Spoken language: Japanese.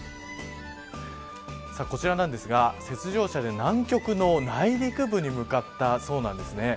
こちらなんですが雪上車で南極の内陸部に向かったそうなんですね。